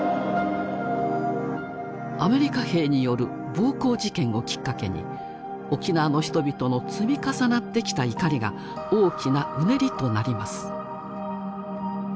アメリカ兵による暴行事件をきっかけに沖縄の人々の積み重なってきた怒りが大きなうねりとなります。